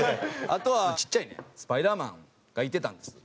あとはちっちゃいねスパイダーマンがいてたんです。